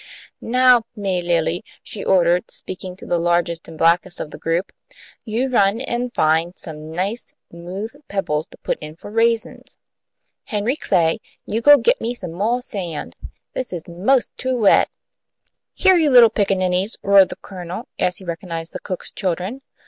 "Now, May Lilly," she ordered, speaking to the largest and blackest of the group, "you run an' find some nice 'mooth pebbles to put in for raisins. Henry Clay, you go get me some moah sand. This is 'most too wet." "Here, you little pickaninnies!" roared the Colonel, as he recognized the cook's children.